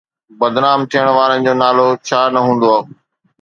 بدنام ٿيڻ وارن جو نالو ڇا نه هوندو؟